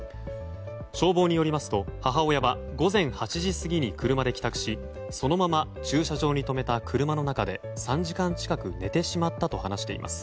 消防によりますと母親は午前８時過ぎに車で帰宅し、そのまま駐車場に止めた車の中で３時間近く寝てしまったと話しています。